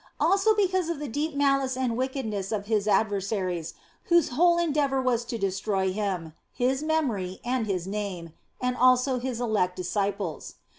Also because of the deep malice and wickedness of His adversaries, whose whole endeavour was to destroy Him, His memory, and His name, and also His elect disciples.